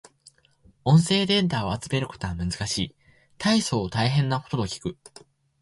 音声データを集めるのは難しい。大層大変なことと聞く。